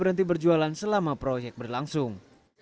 berhenti berjualan selama proyek berlangsung